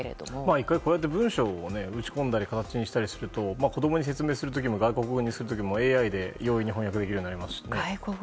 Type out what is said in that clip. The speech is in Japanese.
１回、こうやって文章を打ち込んだり形にすると子供に説明する時も外国語にする時もＡＩで容易に翻訳できます。